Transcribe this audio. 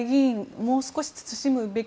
もう少し慎むべき。